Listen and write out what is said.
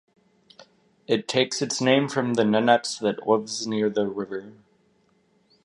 It takes its name from the Nenets that lives near the river.